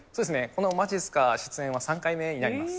このまじっすか出演は３回目になります。